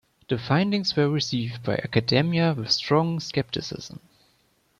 The findings were received by academia with strong skepticism.